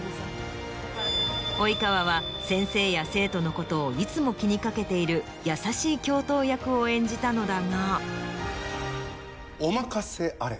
及川は先生や生徒のことをいつも気に掛けている優しい教頭役を演じたのだが。